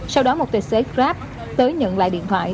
sau đó một tài xế grab tới nhận lại điện thoại